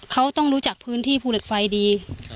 เขาต้องรู้จักพื้นที่ภูเหล็กไฟดี